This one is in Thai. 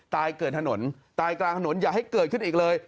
เกิดถนนตายกลางถนนอย่าให้เกิดขึ้นอีกเลย